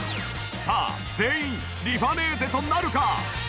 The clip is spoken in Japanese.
さあ全員リファネーゼとなるか？